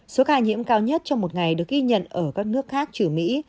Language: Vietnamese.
số ca nhiễm cao nhất trong một ngày được ghi nhận ở các nước khác trừ mỹ